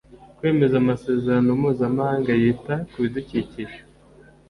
kwemeza Amasezerano Mpuzamahanga yita kubidukikije